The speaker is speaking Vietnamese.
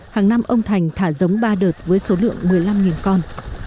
hàng năm ông thành thả giống ba đợt với số lượng một mươi năm con